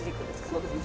・そうですね